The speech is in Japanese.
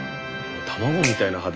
卵みたいな肌。